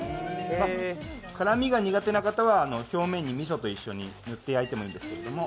辛みが苦手な方は表面にみそと一緒に塗ってもいいんですけど。